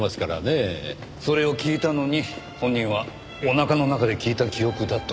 それを聞いたのに本人はおなかの中で聞いた記憶だと。